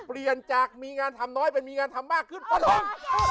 เปลี่ยนจากมีงานทำน้อยไปมีงานทำมากขึ้นป้าแรง